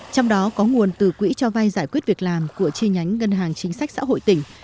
trong đó có nguồn từ quỹ cho vay giải quyết việc làm của chi nhánh ngân hàng chính sách xã hội tỉnh